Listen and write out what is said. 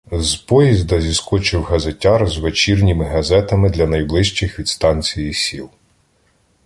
З поїзда зіскочив газетяр з вечірніми газетами для найближчих від станції сіл.